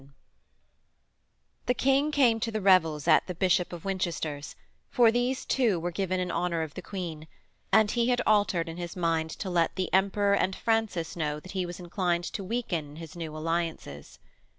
VII The King came to the revels at the Bishop of Winchester's, for these too were given in honour of the Queen, and he had altered in his mind to let the Emperor and Francis know that he was inclined to weaken in his new alliances.